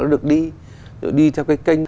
được đi theo cái kênh